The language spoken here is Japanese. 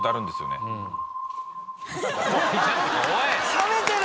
冷めてる！